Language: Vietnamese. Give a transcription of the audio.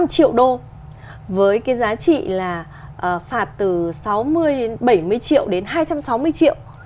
năm triệu đô với cái giá trị là phạt từ sáu mươi đến bảy mươi triệu đến hai trăm sáu mươi triệu